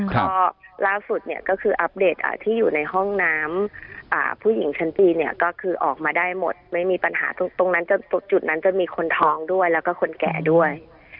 ก็ล่าสุดเนี่ยก็คืออัปเดตที่อยู่ในห้องน้ำผู้หญิงชั้นปีเนี่ยก็คือออกมาได้หมดไม่มีปัญหาตรงนั้นจุดนั้นจะมีคนท้องด้วยแล้วก็คนแก่ด้วย